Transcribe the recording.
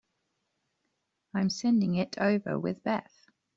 I'm sending it over with Beth.